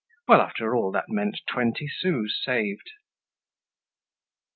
Well after all, that meant twenty sous saved.